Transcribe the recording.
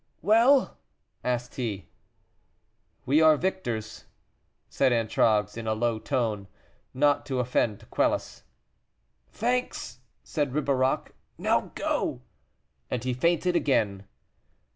"Well?" asked he. "We are victors," said Antragues, in a low tone, not to offend Quelus. "Thanks," said Ribeirac; "now go." And he fainted again.